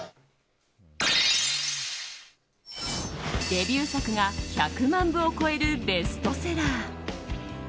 デビュー作が１００万部を超えるベストセラー。